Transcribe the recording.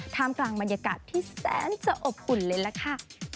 ท่ามกลางบรรยากาศที่แสนจะอบอุ่นเลยล่ะค่ะ